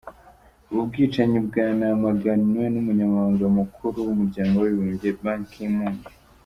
Ubu bwicanyi bwanamaganywe n’Umunyamabanga Mukuru w’Umuryango w’Abibumbye, Ban ki Moon.